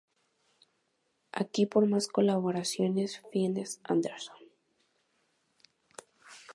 Aquí por más colaboraciones Fiennes-Anderson".